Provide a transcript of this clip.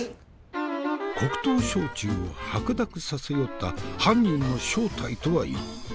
黒糖焼酎を白濁させよった犯人の正体とは一体？